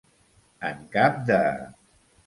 En cap de.